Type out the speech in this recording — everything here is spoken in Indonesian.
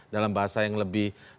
dalam bahasa yang lebih